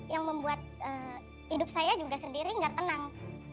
yang membuat hidup saya sendiri tidak tenang